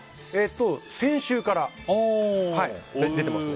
先週から出てますね。